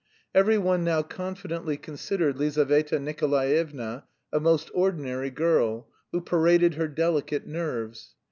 Every one now confidently considered Lizaveta Nikolaevna a most ordinary girl, who paraded her delicate nerves.